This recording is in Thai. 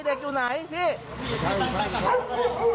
เด็กอยู่ไหนพี่